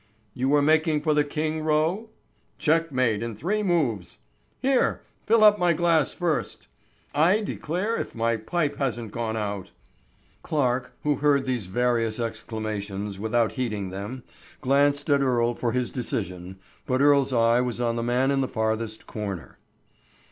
"You were making for the king row." "Checkmate in three moves!" "Here! fill up my glass first!" "I declare if my pipe hasn't gone out!" Clarke, who heard these various exclamations without heeding them, glanced at Earle for his decision, but Earle's eye was on the man in the farthest corner.